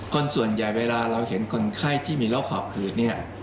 คนส่วนใหญ่เวลาเราเห็นคนไข้ที่มีโรคหอบหืดเนี่ย